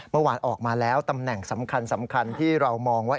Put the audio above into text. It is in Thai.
เมื่อวานออกมาแล้วตำแหน่งสำคัญที่เรามองว่า